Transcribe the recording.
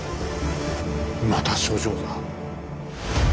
また書状だ。